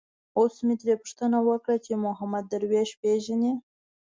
اوس مې ترې پوښتنه وکړه چې محمود درویش پېژني.